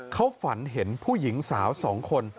เขาฝันเห็นผู้หญิงสาว๒คน